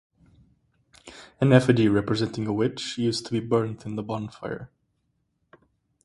An effigy representing a witch used to be burnt in the bonfire.